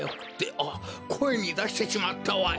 あっこえにだしてしまったわい！